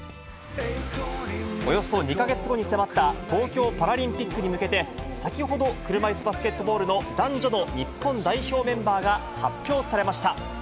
およそ２か月後に迫った、東京パラリンピックに向けて、先ほど、車いすバスケットボールの男女の日本代表メンバーが発表されました。